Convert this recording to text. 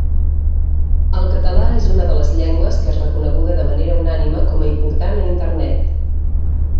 El català és una de les llengües que és reconeguda de manera unànime com a important a Internet.